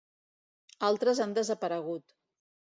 Altres han desaparegut.